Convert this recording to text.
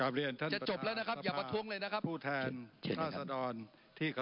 การเรียนประตาสภาพผู้แทนรัสดรที่รับ